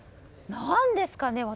何ですかね。